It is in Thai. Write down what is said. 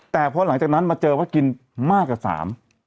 แต่พอหลังจากนั้นมาเจอว่ากินมากกว่าสาม